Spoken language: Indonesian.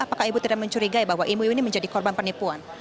apakah ibu tidak mencurigai bahwa ibu ibu ini menjadi korban penipuan